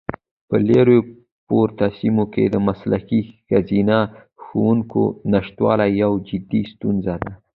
په لیرې پرتو سیمو کې د مسلکي ښځینه ښوونکو نشتوالی یوه جدي ستونزه ده.